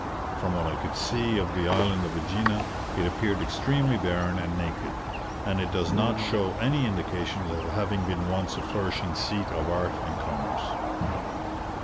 From what I could see of the island of AEgina, it appeared extremely barren and naked, and it does not show any indications of having been once a flourishing seat of art and commerce.